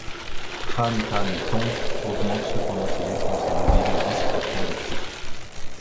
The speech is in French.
Trần Thánh Tông augmente cependant ses défenses et mobilise discrètement des troupes.